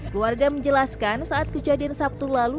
keluarga menjelaskan saat kejadian sabtu lalu